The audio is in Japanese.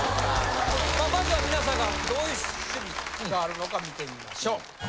まずは皆さんがどういう趣味があるのか見てみましょう。